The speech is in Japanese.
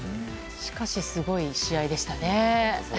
しかし、すごい試合でしたね。